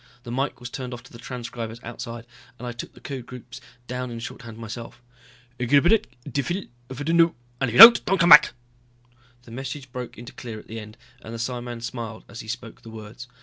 The mike was turned off to the transcribers outside, and I took the code groups down in shorthand myself. "... xybb dfil fdno, and if you don't don't come back!" The message broke into clear at the end and the psiman smiled as he spoke the words.